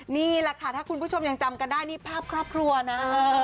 นี่แหละค่ะถ้าคุณผู้ชมยังจำกันได้นี่ภาพครอบครัวนะ